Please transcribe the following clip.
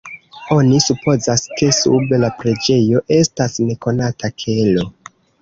Oni supozas, ke sub la preĝejo estas nekonata kelo.